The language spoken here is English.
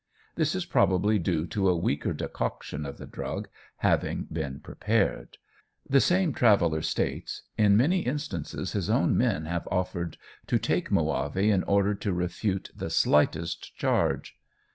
This is probably due to a weaker decoction of the drug having been prepared. The same traveller states, in many instances his own men have offered to take muavi in order to refute the slightest charge.